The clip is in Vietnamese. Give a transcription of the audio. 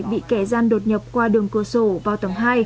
bị kẻ gian đột nhập qua đường cửa sổ vào tầng hai